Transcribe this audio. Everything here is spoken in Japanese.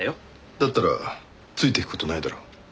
だったらついて行く事ないだろ。